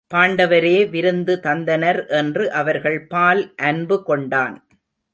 பாண்டவரே விருந்து தந்தனர் என்று அவர்கள் பால் அன்பு கொண்டான்.